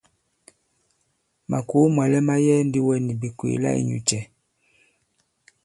Màkòo mwàlɛ ma yɛɛ ndi wɛ nì bìkwèè la inyūcɛ̄?